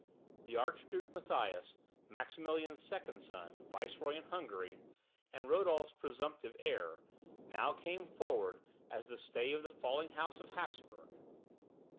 The Archduke Matthias, Maximilian's second son, Viceroy in Hungary, and Rodolph's presumptive heir, now came forward as the stay of the falling house of Hapsburg.